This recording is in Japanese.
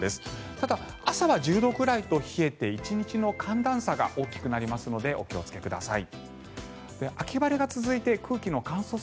ただ、朝は１０度くらいと冷えて１日の寒暖差が大きくなるのでお気をつけください。